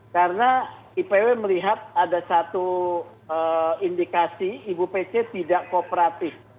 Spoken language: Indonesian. karena ipw melihat ada satu indikasi ibu pc tidak kooperatif